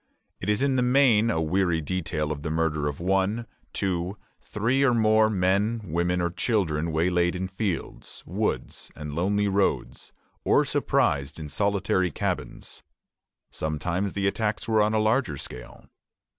It is in the main a weary detail of the murder of one, two, three, or more men, women, or children waylaid in fields, woods, and lonely roads, or surprised in solitary cabins. Sometimes the attacks were on a larger scale.